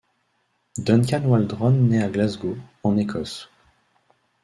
Duncan Waldron nait à Glasgow, en Écosse.